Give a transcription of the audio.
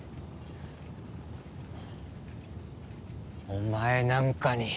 お前なんかに。